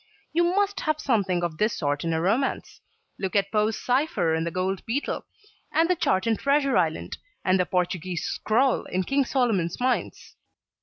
You must have something of this sort in a romance. Look at Poe's cypher in the Gold Beetle, and the chart in Treasure Island, and the Portuguee's scroll in King Solomon's Mines.